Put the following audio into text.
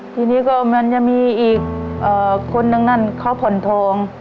ทีนี้ก็มันจะมีอีกคนนึงนั่นเขาผ่อนทอง